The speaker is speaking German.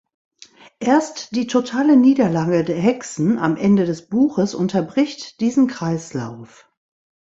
Erst die totale Niederlage der Hexen am Ende des Buches unterbricht diesen Kreislauf.